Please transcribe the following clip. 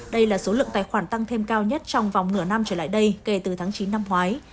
đây là số lượng tài khoản tăng thêm cao nhất trong vòng nửa năm trở lại đây kể từ tháng chín năm ngoái